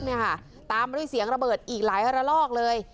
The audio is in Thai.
ตามมาด้วยเสียงระเบิดอีกหลายรกเลย